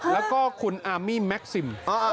แล้วก็คุณอามี่แม็กซิม